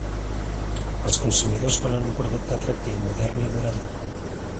Els consumidors volen un producte atractiu, modern i durador.